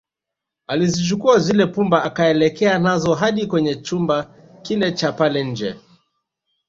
Alizichukua zile pumba akaelekea nazo hadi kwenye chumba kile Cha pale nje